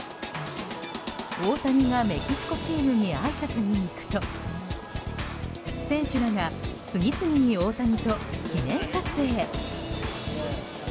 大谷がメキシコチームにあいさつに行くと選手らが次々に大谷と記念撮影。